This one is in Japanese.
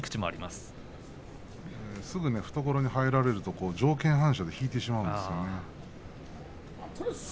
すぐに懐に入られると条件反射で引いてしまうんですよね。